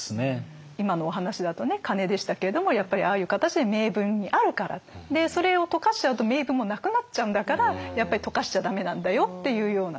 今のお話だと鐘でしたけれどもやっぱりああいう形で銘文にあるからそれを溶かしちゃうと銘文もなくなっちゃうんだからやっぱり溶かしちゃ駄目なんだよっていうようなですね